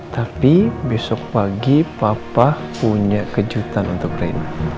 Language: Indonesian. tapi besok pagi papa punya kejutan untuk reinhard